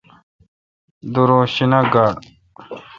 دور اں شیناک گاڑ۔